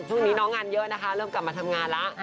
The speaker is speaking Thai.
ช่วงนี้น้องงานเยอะนะคะเริ่มกลับมาทำงานแล้ว